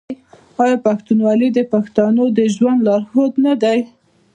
آیا پښتونولي د پښتنو د ژوند لارښود نه دی؟